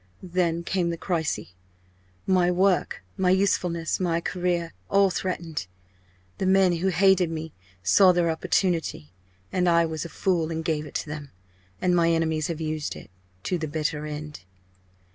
Then came the crisis my work, my usefulness, my career, all threatened. The men who hated me saw their opportunity. I was a fool and gave it them. And my enemies have used it to the bitter end!"